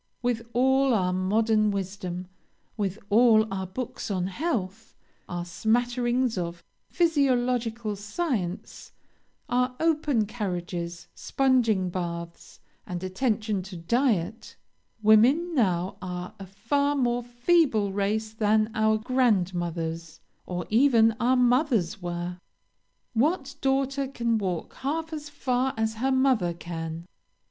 With all our modern wisdom, with all our books on health, our smatterings of physiological science, our open carriages, sponging baths, and attention to diet, women now are a far more feeble race than our grandmothers, or even our mothers, were. What daughter can walk half as far as her mother can?